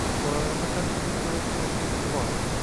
Bolalarni har kuni ko‘radigan o‘qituvchisi bor.